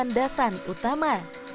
dan di lantasan utama